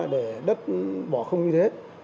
để đất bỏ không như thế